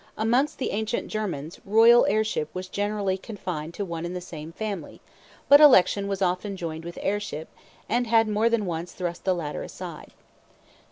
Amongst the ancient Germans royal heirship was generally confined to one and the same family; but election was often joined with heirship, and had more than once thrust the latter aside.